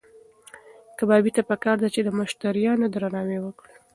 کبابي ته پکار ده چې د مشتریانو درناوی وکړي.